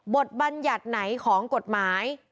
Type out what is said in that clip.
บัญญัติไหนของกฎหมาย